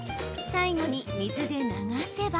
最後に水で流せば。